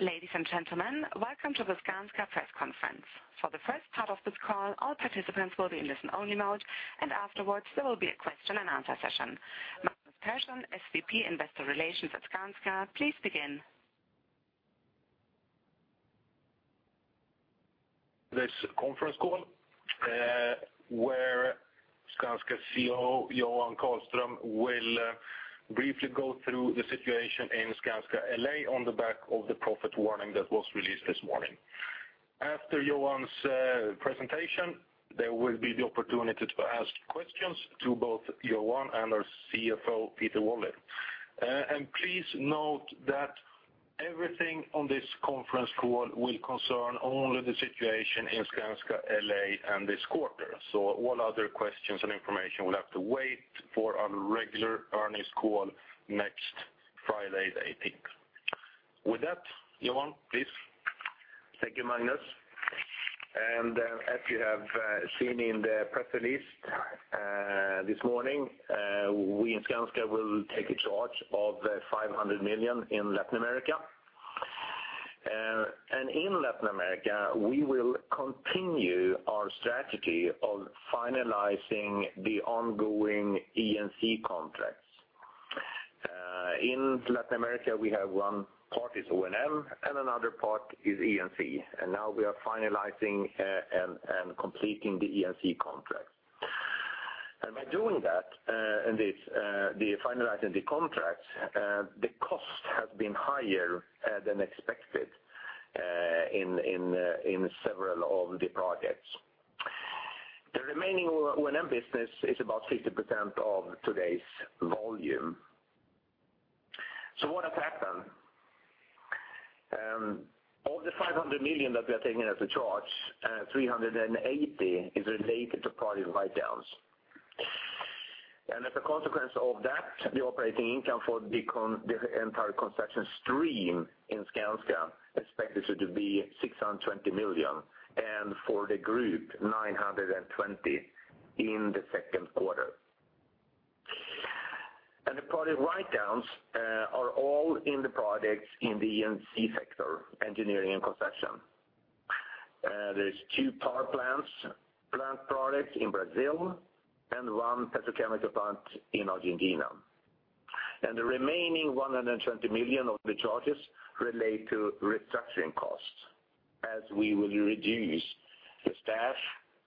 Ladies and gentlemen, welcome to the Skanska press conference. For the first part of this call, all participants will be in listen-only mode, and afterwards, there will be a question-and-answer session. Magnus Persson, SVP, Investor Relations at Skanska, please begin. This conference call, where Skanska CEO Johan Karlström will briefly go through the situation in Skanska LA on the back of the profit warning that was released this morning. After Johan's presentation, there will be the opportunity to ask questions to both Johan and our CFO, Peter Wallin. Please note that everything on this conference call will concern only the situation in Skanska LA and this quarter. All other questions and information will have to wait for our regular earnings call next Friday, the 18th. With that, Johan, please. Thank you, Magnus. And, as you have seen in the press release this morning, we in Skanska will take a charge of 500 million in Latin America. And in Latin America, we will continue our strategy of finalizing the ongoing E&C contracts. In Latin America, we have one part is O&M, and another part is E&C, and now we are finalizing and completing the E&C contracts. And by doing that, the finalizing the contracts, the cost has been higher than expected in several of the projects. The remaining O&M business is about 50% of today's volume. So what has happened? Of the 500 million that we are taking as a charge, 380 million is related to project write-downs. As a consequence of that, the operating income for the entire construction stream in Skanska is expected to be 620 million, and for the group, 920 million in the second quarter. And the project write-downs are all in the projects in the E&C sector, engineering and construction. There's two power plant projects in Brazil and one petrochemical plant in Argentina. And the remaining 120 million of the charges relate to restructuring costs, as we will reduce the staff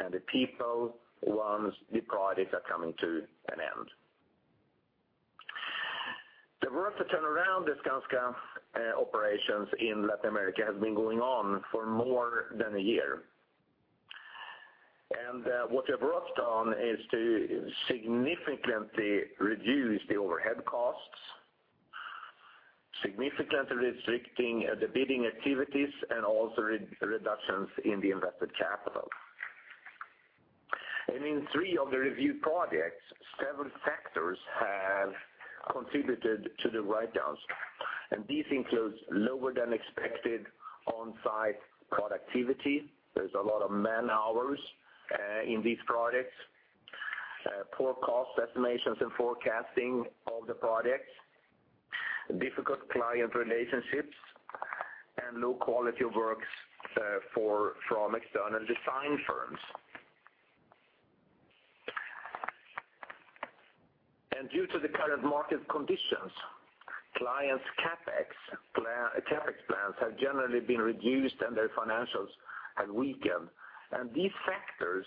and the people once the projects are coming to an end. The work to turn around the Skanska operations in Latin America has been going on for more than a year. What we have worked on is to significantly reduce the overhead costs, significantly restricting the bidding activities and also reductions in the invested capital. In three of the reviewed projects, several factors have contributed to the write-downs, and these include: lower than expected on-site productivity, there's a lot of man-hours in these projects, poor cost estimations and forecasting of the projects, difficult client relationships, and low quality of works from external design firms. Due to the current market conditions, clients' CapEx plans have generally been reduced, and their financials have weakened. These factors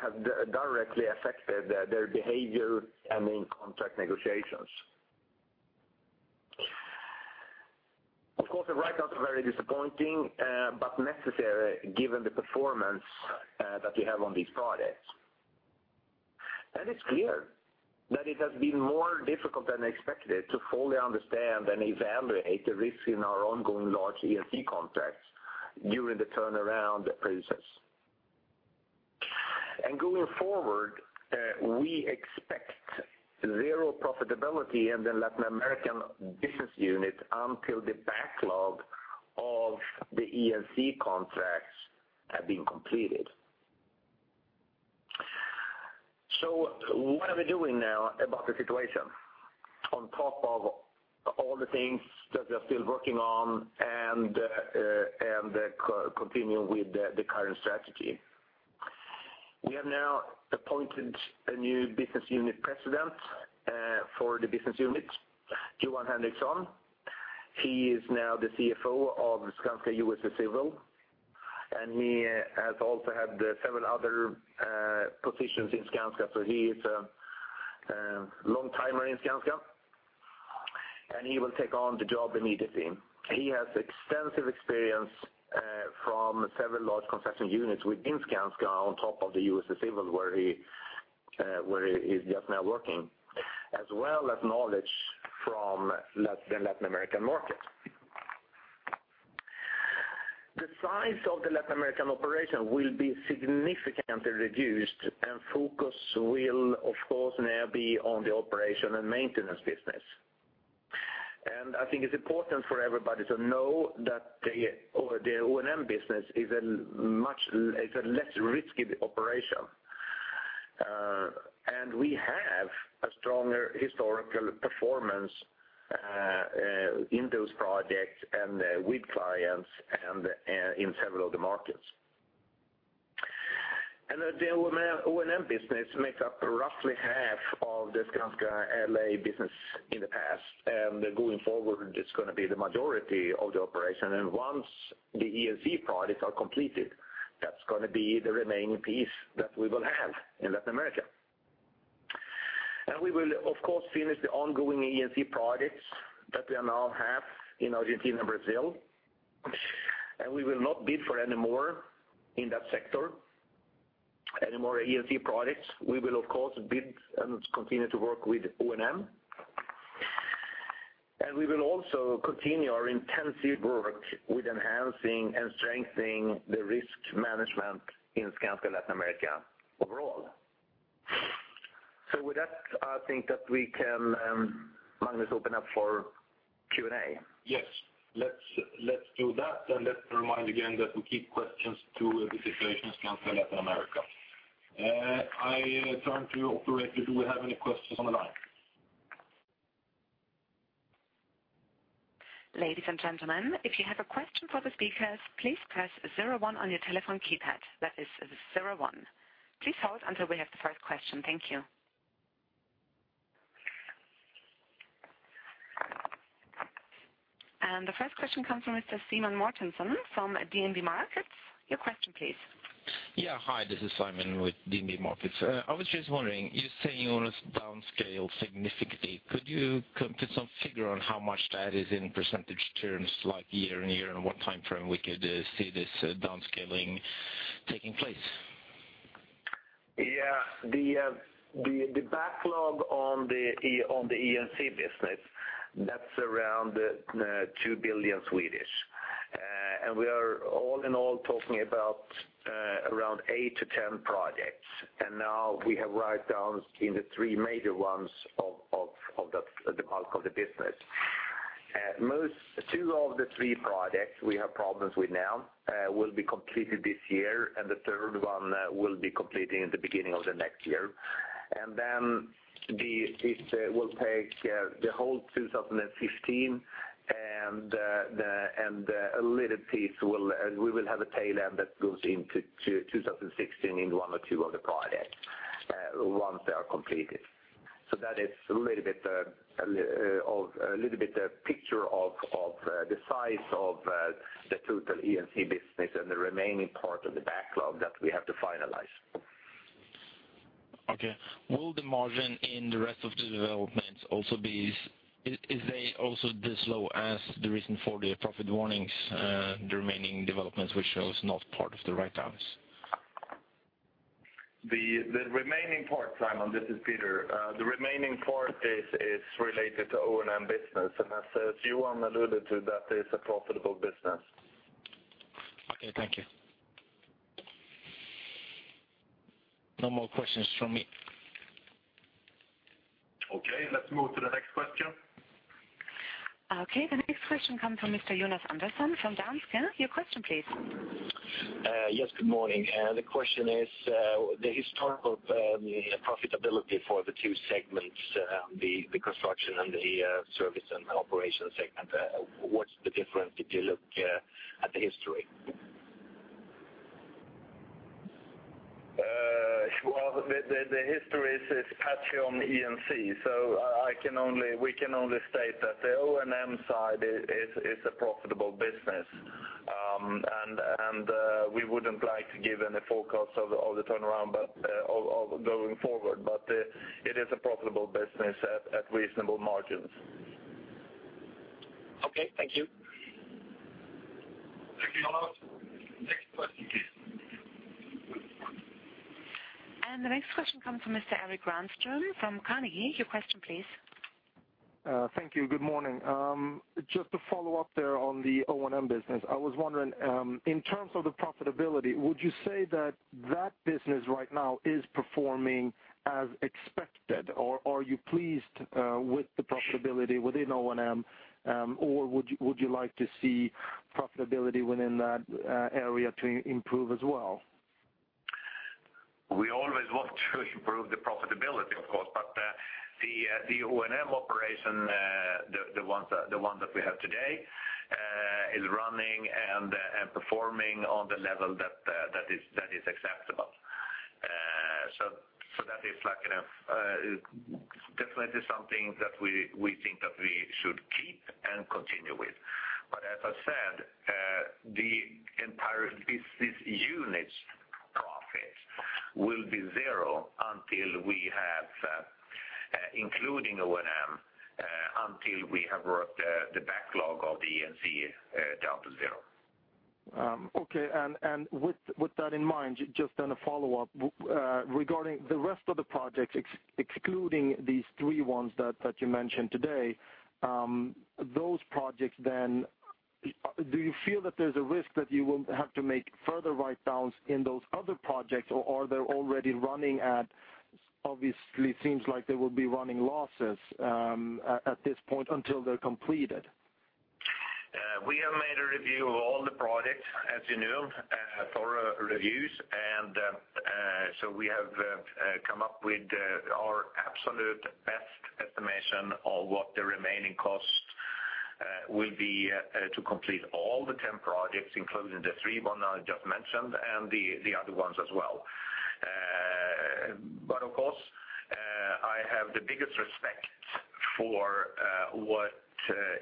have directly affected their behavior and in contract negotiations. Of course, the write-downs are very disappointing, but necessary, given the performance that we have on these projects. It's clear that it has been more difficult than expected to fully understand and evaluate the risks in our ongoing large E&C contracts during the turnaround process. Going forward, we expect zero profitability in the Latin American business unit until the backlog of the E&C contracts have been completed. What are we doing now about the situation? On top of all the things that we are still working on and continuing with the current strategy. We have now appointed a new business unit president for the business unit, Johan Henriksson. He is now the CFO of Skanska USA Civil, and he has also had several other positions in Skanska. He is a long-timer in Skanska, and he will take on the job immediately. He has extensive experience from several large construction units within Skanska, on top of the USA Civil, where he's just now working, as well as knowledge from the Latin American market. The size of the Latin American operation will be significantly reduced, and focus will, of course, now be on the operation and maintenance business. I think it's important for everybody to know that the O&M business is a much, it's a less risky operation and we have a stronger historical performance in those projects and with clients and in several of the markets. The O&M business makes up roughly half of the Skanska LA business in the past, and going forward, it's gonna be the majority of the operation. And once the E&C projects are completed, that's gonna be the remaining piece that we will have in Latin America. And we will, of course, finish the ongoing E&C projects that we now have in Argentina and Brazil, and we will not bid for any more in that sector, any more E&C projects. We will, of course, bid and continue to work with O&M. And we will also continue our intensive work with enhancing and strengthening the risk management in Skanska Latin America overall. So with that, I think that we can, Magnus, open up for Q&A. Yes. Let's do that, and let's remind again that we keep questions to the situation in Skanska Latin America. I turn to operator, do we have any questions on the line? Ladies and gentlemen, if you have a question for the speakers, please press zero-one on your telephone keypad. That is zero-one. Please hold until we have the first question. Thank you. The first question comes from Mr. Simen Mortensen from DNB Markets. Your question, please. Yeah, hi, this is Simen with DNB Markets. I was just wondering, you're saying you want to downscale significantly. Could you put some figure on how much that is in percentage terms, like year and year, and what time frame we could see this downscaling taking place? Yeah, the backlog on the E&C business, that's around 2 billion. And we are all in all talking about around eight to 10 projects. And now we have write-downs in the three major ones of the business. Most, two of the three projects we have problems with now will be completed this year, and the third one will be completing in the beginning of the next year. And then it will take the whole 2015, and a little piece will, we will have a tail end that goes into 2016 in one or two other projects once they are completed. So that is a little bit of a picture of the size of the total E&C business and the remaining part of the backlog that we have to finalize. Okay. Will the margin in the rest of the development also be, is, is they also this low as the reason for the profit warnings, the remaining developments, which was not part of the write-downs? The remaining part, Simen, this is Peter. The remaining part is related to O&M business, and as Johan alluded to, that is a profitable business. Okay, thank you. No more questions from me. Okay, let's move to the next question. Okay, the next question comes from Mr. Jonas Andersson from Danske. Your question, please. Yes, good morning. The question is, the historical profitability for the two segments, the construction and the service and operation segment, what's the difference if you look at the history? Well, the history is patchy on the E&C, so we can only state that the O&M side is a profitable business. And we wouldn't like to give any forecast of the turnaround, but of going forward, it is a profitable business at reasonable margins. Okay, thank you. Thank you, Jonas. Next question, please. The next question comes from Mr. Erik Granström from Carnegie. Your question, please. Thank you, good morning. Just to follow up there on the O&M business, I was wondering, in terms of the profitability, would you say that that business right now is performing as expected, or are you pleased, with the profitability within O&M? Or would you, would you like to see profitability within that, area to improve as well? We always want to improve the profitability, of course, but the O&M operation, the ones that we have today, is running and performing on the level that is acceptable. So that is like definitely something that we think that we should keep and continue with. But as I said, the entire business unit's profit will be zero until we have, including O&M, until we have worked the backlog of the E&C down to zero. Okay, and with that in mind, just then a follow-up. Regarding the rest of the projects, excluding these three ones that you mentioned today, those projects then, do you feel that there's a risk that you will have to make further write-downs in those other projects, or are they already running at - obviously, seems like they will be running losses at this point until they're completed? We have made a review of all the projects, as you know, thorough reviews, and, so we have, come up with, our absolute best estimation of what the remaining cost, will be, to complete all the 10 projects, including the three one I just mentioned, and the, the other ones as well. But of course, I have the biggest respect for, what,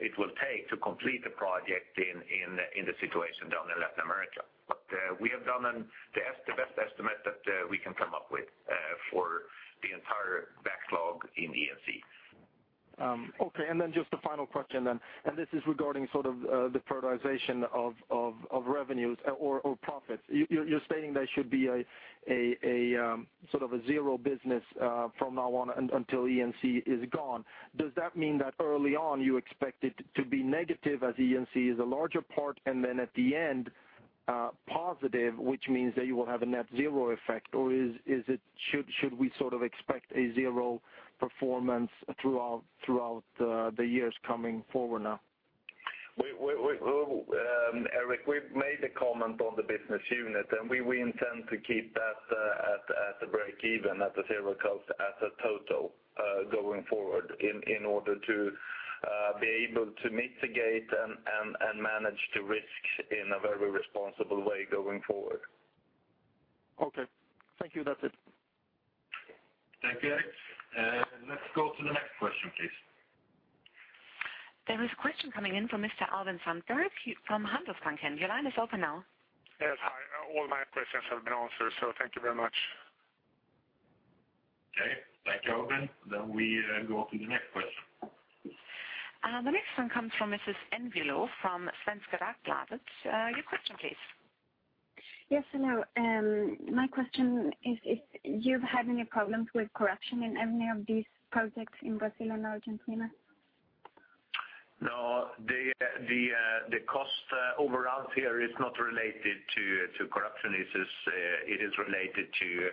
it will take to complete the project in, in, the situation down in Latin America. But, we have done an, the best estimate that, we can come up with, for the entire backlog in E&C. Okay, and then just a final question, and this is regarding sort of the prioritization of revenues or profits. You're stating there should be a sort of a zero business from now on until E&C is gone. Does that mean that early on you expect it to be negative as E&C is a larger part, and then at the end positive, which means that you will have a net zero effect? Or is it, should we sort of expect a zero performance throughout the years coming forward now? We, Erik, we've made a comment on the business unit, and we intend to keep that at a break even, at a zero cost, as a total, going forward, in order to be able to mitigate and manage the risk in a very responsible way going forward. Okay. Thank you. That's it. Thank you, Erik. Let's go to the next question, please. There is a question coming in from Mr. Albin Sandberg from Handelsbanken. Your line is open now. Yes, hi. All my questions have been answered, so thank you very much. Okay. Thank you, Albin. Then we go to the next question. The next one comes from Mrs. Envelo from Svenska Dagbladet. Your question, please. Yes, hello. My question is, if you've had any problems with corruption in any of these projects in Brazil and Argentina? No, the cost overruns here is not related to corruption. It is related to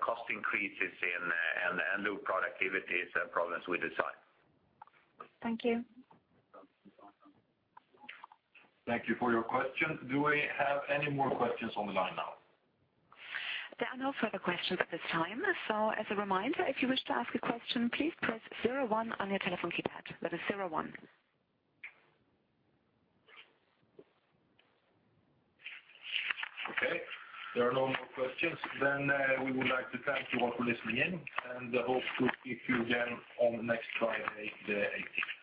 cost increases and low productivities and problems with design. Thank you. Thank you for your question. Do we have any more questions on the line now? There are no further questions at this time. So as a reminder, if you wish to ask a question, please press zero-one on your telephone keypad. That is zero-one. Okay, there are no more questions. Then, we would like to thank you all for listening in, and hope to see you again on next Friday, the 18th.